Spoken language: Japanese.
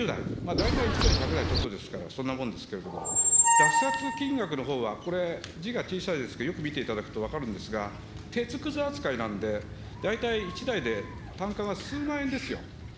大体１年１００台ちょっとですから、そんなもんですけれども、落札金額のほうは、これ、字が小さいですけど、よく見ていただくと分かるんですが、鉄くず扱いなんで、大体１台で単価が数万円ですよ。